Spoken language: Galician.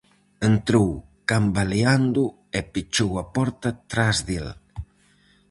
Entrou cambaleando e pechou a porta tras del.